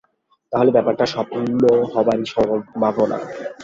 তাহলে ব্যাপারটা স্বপ্ন হবারই সম্ভাবনা।